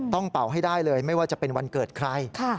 เป่าให้ได้เลยไม่ว่าจะเป็นวันเกิดใคร